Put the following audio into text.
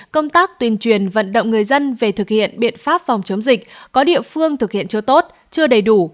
công tác tuyên truyền vận động người dân về thực hiện biện pháp phòng chống dịch có địa phương thực hiện chưa tốt chưa đầy đủ